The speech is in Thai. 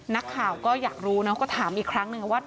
นักข่าวก็อยากรู้เนอะก็ถามอีกครั้งหนึ่งว่า